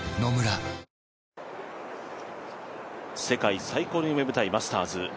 世界最高の夢舞台マスターズ